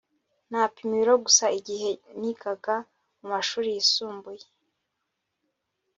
Napima ibiro gusa igihe nigaga mumashuri yisumbuye